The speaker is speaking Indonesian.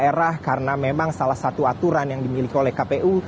dan juga bagi daerah karena memang salah satu aturan yang dimiliki oleh kpu